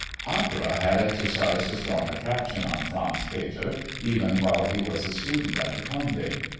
Opera had exercised a strong attraction on Franz Peter even while he was a student at the Konvikt.